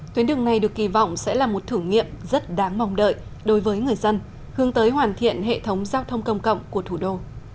tuyến đường này được kỳ vọng sẽ là một thử nghiệm rất đáng mong đợi đối với người dân hướng tới hoàn thiện hệ thống giao thông công cộng của thủ đô